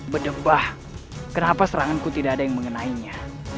berdebah kenapa seranganku tidak ada yang mengenainya